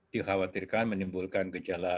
dikhawatirkan menimbulkan gejala